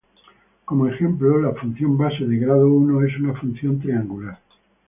Como ejemplo, la función base de grado uno es una función triangular.